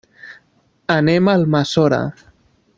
Anem a Almassora.